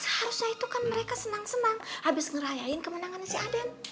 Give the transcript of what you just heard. seharusnya itu kan mereka senang senang habis ngerayain kemenangannya si aden